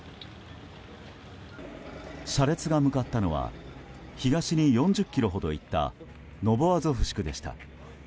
車列が向かったのは東に４０ｋｍほど行ったノボアゾフシクでした。